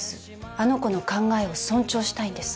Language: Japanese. あの子の考えを尊重したいんです。